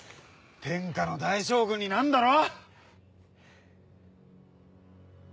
天下の大将軍になんだろ。